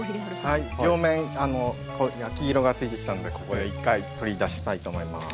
はい両面焼き色がついてきたんでここで一回取り出したいと思います。